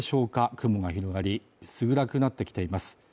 雲が広がり薄暗くなってきています